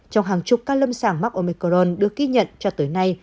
trong hàng chục ca lâm sàng mắc omicron được ghi nhận cho tới nay